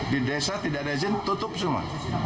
di desa tidak ada izin tutup semua